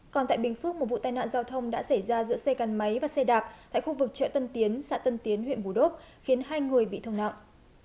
còn tại bình phước một vụ tai nạn giao thông đã xảy ra giữa xe gắn máy và xe đạp tại khu vực chợ tân tiến xã tân tiến huyện bù đốp khiến hai người bị thương nặng